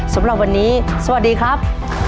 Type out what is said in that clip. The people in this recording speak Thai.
สำหรับวันนี้สวัสดีครับ